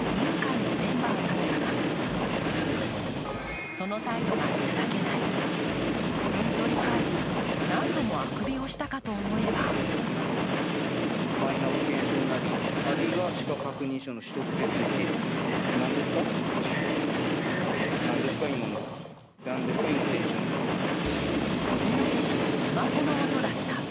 問題続出のマイナンバーカードについて話し合う委員会のメンバーなのだがその態度がいただけないふんぞりかえり、何度もあくびをしたかと思えば猪瀬氏のスマホの音だった。